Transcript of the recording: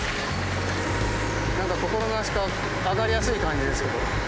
なんか心なしか上がりやすい感じですけど。